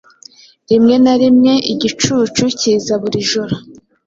Rimwe na rimwe, igicucu, kiza buri joro